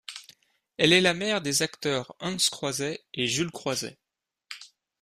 Elle est la mère des acteurs Hans Croiset et Jules Croiset.